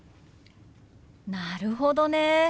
なるほどね。